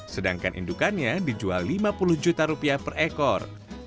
sedangkan indukannya dijual lima puluh juta rupiah per ekor